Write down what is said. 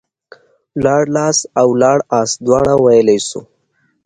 ولاړلاست او ولاړاست دواړه ويلاى سو.